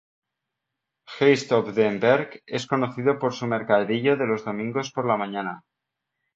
Heist-op-den-Berg es conocido por su mercadillo de los domingos por la mañana.